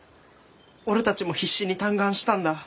俺たちも必死に嘆願したんだ。